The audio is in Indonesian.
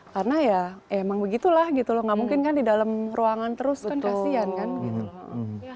karena ya emang begitulah gitu loh nggak mungkin kan di dalam ruangan terus kan kasihan kan gitu loh